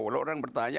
kalau orang bertanya